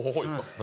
何？